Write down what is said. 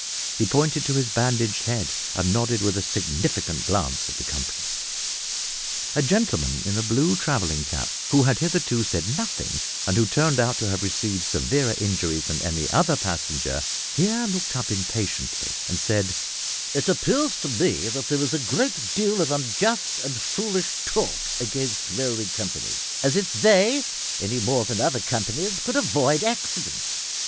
He pointed to his bandaged head, and nodded with a significant glance at the company. A gentleman in a blue travelling cap, who had hitherto said nothing, and who turned out to have received severer injuries than any other passenger, here looked up impatiently, and said "It appears to me that there is a great deal of unjust and foolish talk against railway companies, as if they, any more than other companies, could avoid accidents.